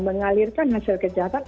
mengalirkan hasil kejahatan